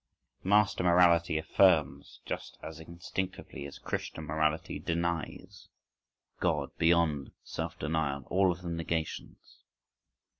Master morality affirms just as instinctively as Christian morality denies ("God," "Beyond," "self denial,"—all of them negations).